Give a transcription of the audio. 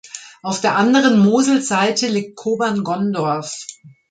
Auf der anderen Moselseite liegt Kobern-Gondorf.